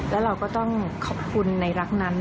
แล้วเราก็ต้องขอบคุณในรักนั้น